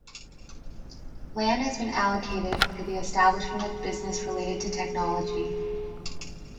Land has been allocated for the establishment of business related to technology.